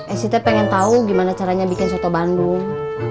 esy teh pengen tau gimana caranya bikin soto bandung